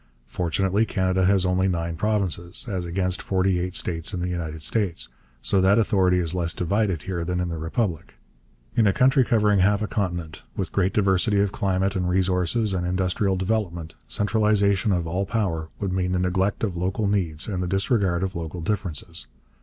Fortunately Canada has only nine provinces, as against forty eight states in the United States, so that authority is less divided here than in the Republic. In a country covering half a continent, with great diversity of climate and resources and industrial development, centralization of all power would mean the neglect of local needs and the disregard of local differences.